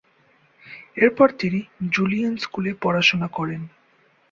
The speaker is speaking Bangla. এরপর তিনি জুলিয়েন স্কুলে পড়াশুনো করেন।